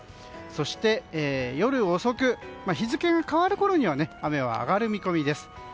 そして、夜遅く日付が変わるころには雨は上がる見込みです。